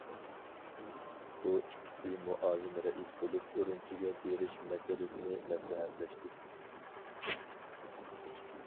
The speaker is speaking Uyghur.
بۇ ئىككىسى مۇئاۋىن رەئىس بولۇپ ئۈرۈمچىگە بېرىش مەسىلىسىنى مەسلىھەتلەشتى.